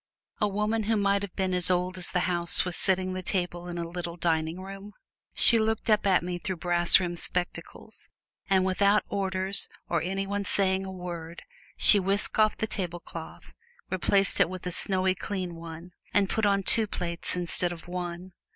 A woman who might have been as old as the house was setting the table in a little dining room. She looked up at me through brass rimmed spectacles, and without orders or any one saying a word she whisked off the tablecloth, replaced it with a snowy, clean one, and put on two plates instead of one.